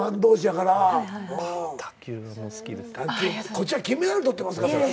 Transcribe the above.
こっちは金メダル取ってますから。